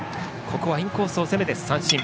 インコースを攻めて三振。